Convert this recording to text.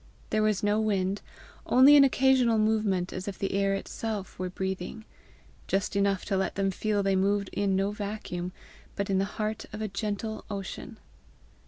There was no wind only an occasional movement as if the air itself were breathing just enough to let them feel they moved in no vacuum, but in the heart of a gentle ocean.